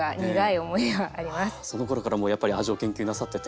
そのころからもうやっぱり味を研究なさってて。